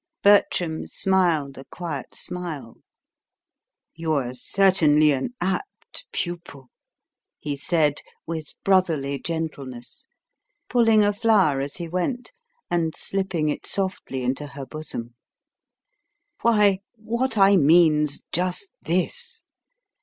Bertram smiled a quiet smile. "You're certainly an apt pupil," he said, with brotherly gentleness, pulling a flower as he went and slipping it softly into her bosom. "Why, what I mean's just this.